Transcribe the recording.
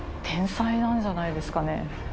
なんじゃないですかね。